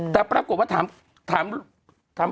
แต่ปรากฏว่าถาม